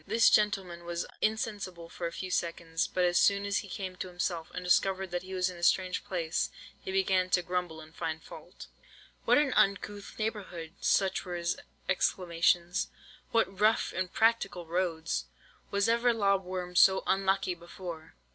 "This gentleman was insensible for a few seconds; but as soon as he came to himself, and discovered that he was in a strange place, he began to grumble and find fault. "'What an uncouth neighbourhood!' Such were his exclamations. 'What rough impracticable roads! Was ever lob worm so unlucky before!